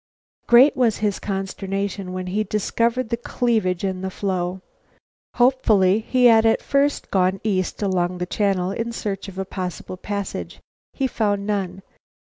Great was his consternation when he discovered the cleavage in the floe. Hopefully he had at first gone east along the channel in search of a possible passage. He found none.